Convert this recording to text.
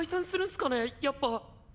やっぱ。